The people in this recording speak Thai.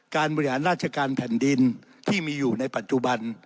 บริหารราชการแผ่นดินที่มีอยู่ในปัจจุบัน